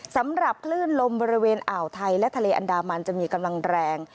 สำหรับคลื่นลมบริเวณอ่าวไทยและทะเลอันดามันจะมีกำลังแรง